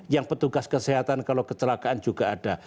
yang petugas kesehatan kalau kecelakaan juga ada